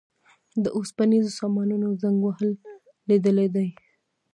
د اوسپنیزو سامانونو زنګ وهل لیدلي دي.